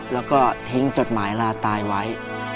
แล้วก็ทิ้งจดหมายลาตายไว้